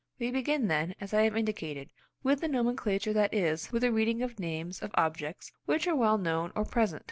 We begin, then, as I have indicated, with the nomenclature, that is, with the reading of names of objects which are well known or present.